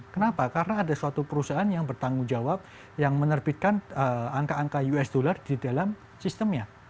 kenapa karena ada suatu perusahaan yang bertanggung jawab yang menerbitkan angka angka us dollar di dalam sistemnya